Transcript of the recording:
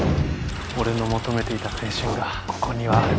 俺の求めていた青春がここにはある。